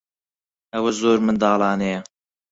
ئەوە زۆر منداڵانەیە.